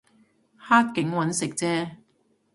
黑警搵食啫